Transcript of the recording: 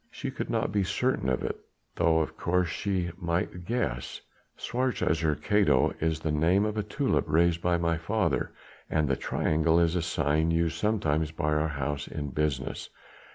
"She could not be certain of it ... though, of course, she might guess. 'Schwarzer Kato' is the name of a tulip raised by my father, and the triangle is a sign used sometimes by our house in business.